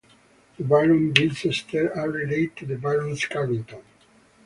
The Barons Bicester are related to the Barons Carrington.